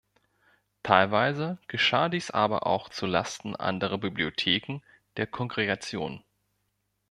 Teilweise geschah dies aber auch zu Lasten anderer Bibliotheken der Kongregation.